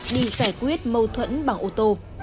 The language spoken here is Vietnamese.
để giải quyết mâu thuẫn bằng ô tô